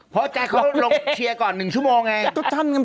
เพราะใจเขาลงเชียร์ก่อน๑ชั่วโมงไง